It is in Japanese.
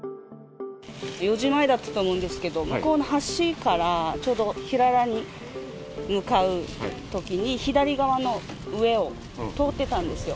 ４時前だったと思うんですけど、向こうの橋から、ちょうど平良に向かうときに、左側の上を通ってたんですよ。